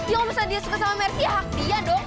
ya kalau misalnya dia suka sama mercy ya hak dia dong